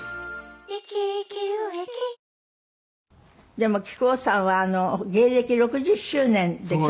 でも木久扇さんは芸歴６０周年で去年。